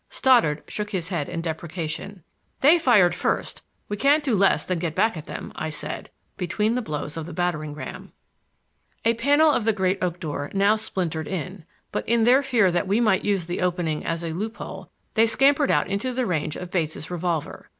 Stoddard shook his head in deprecation. "They fired first,—we can't do less than get back at them," I said, between the blows of the battering ram. A panel of the great oak door now splintered in, but in their fear that we might use the opening as a loophole, they scampered out into range of Bates' revolver.